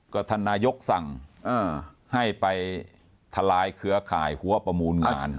ก็ท่านนายกสั่งให้ไปทลายเครือข่ายหัวประมูลงาน